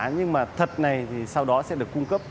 nhưng mà thật này thì sau đó sẽ được cung cấp